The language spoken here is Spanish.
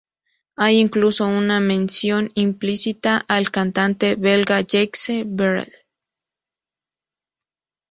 Hay incluso una mención implícita al cantante belga Jacques Brel.